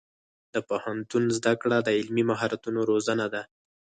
د پوهنتون زده کړه د عملي مهارتونو روزنه ده.